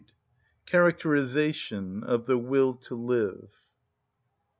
(6) Characterisation Of The Will To Live.